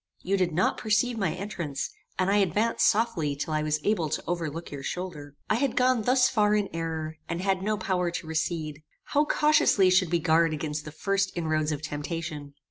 You did not perceive my entrance; and I advanced softly till I was able to overlook your shoulder. "I had gone thus far in error, and had no power to recede. How cautiously should we guard against the first inroads of temptation!